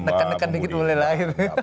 nekan nekan gitu boleh lah